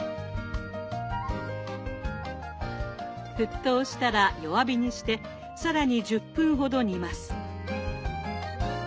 沸騰したら弱火にして更に１０分ほど煮ます。